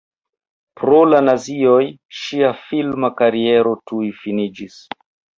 Pro la nazioj ŝia filma kariero tuj finiĝis.